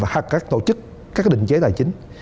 hoặc các tổ chức các định chế tài chính